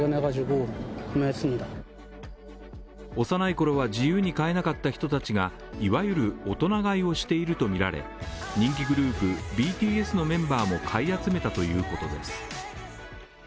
幼いころは自由に買えなかった人たちがいわゆる大人買いをしているとみられ人気グループ、ＢＴＳのメンバーも買い集めたということです。